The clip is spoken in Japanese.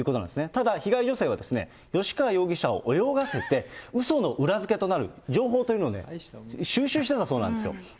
ただ被害女性は、吉川容疑者を泳がせて、うその裏付けとなる情報というものを収集してたそうなんですよ。